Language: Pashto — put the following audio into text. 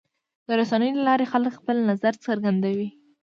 د رسنیو له لارې خلک خپل نظر څرګندوي.